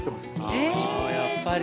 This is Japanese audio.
◆あ、やっぱり。